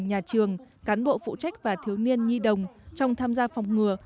nhà trường cán bộ phụ trách và thiếu niên nhi đồng trong tham gia phòng ngừa